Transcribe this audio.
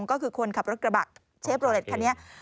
ก็คือคนขับรถกระบะเชฟโรเล็ตคันนี้